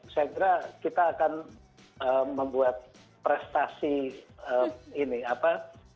saya kira kita akan membuat prestasi ini apa